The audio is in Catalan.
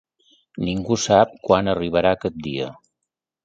Ningú sap quan arribarà aquest dia.